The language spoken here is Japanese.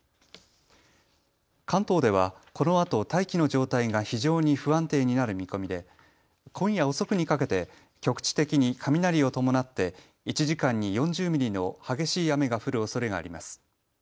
関東ではこのあと大気の状態が非常に不安定になる見込みで今夜遅くにかけて局地的に雷を伴って１時間に４０ミリの激しい雨が降るおそれがあります。